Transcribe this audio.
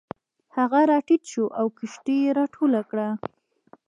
هغه راټیټ شو او کښتۍ یې راټوله کړه.